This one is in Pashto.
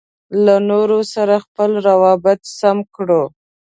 له نورو سره خپل روابط سم کړو.